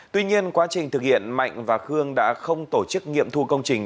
tuy nhiên quá trình thực hiện mạnh và khương đã không tổ chức nghiệm thu công trình